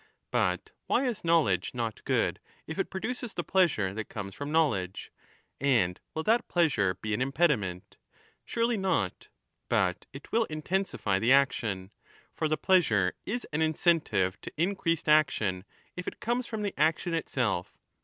But why is knowledge not good, if it produces the pleasure that comes from knowledge ? And will that pleasure be an impediment? Surely not; but it will intensify the action. For the pleasure is an incentive to increased 10 action, if it comes from the action itself.